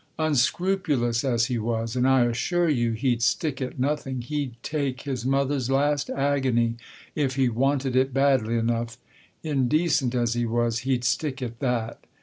Unscrupulous as he was, and I assure you he'd stick at nothing (he'd " take " his mother's last agony if he " wanted " it badly enough), indecent as he was, he'd stick at that.